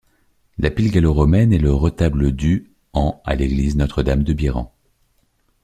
La pile gallo-romaine et le retable du en l'église Notre-Dame de Biran.